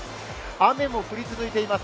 雨も降り続いています。